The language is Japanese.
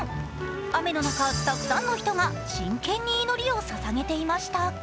雨の中、たくさんの人が真剣に祈りをささげていました。